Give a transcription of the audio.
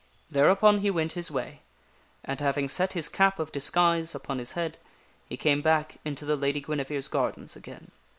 Thereupon he went his way, and, having set his cap of disguise upon his head, he came back into the Lady Guinevere's gardens again.